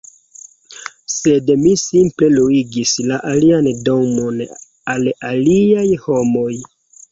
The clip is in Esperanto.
sed mi simple luigas la alian domon al aliaj homoj